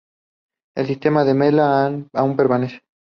El sistema de mela aún prevalece.